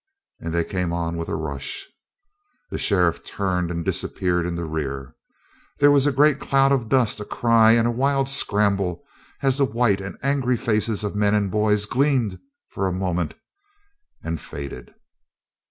and they came on with a rush. The sheriff turned and disappeared in the rear. There was a great cloud of dust, a cry and a wild scramble, as the white and angry faces of men and boys gleamed a moment and faded.